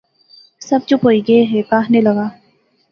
سب چپ ہوئی گئے۔ ہیک آخنے لغا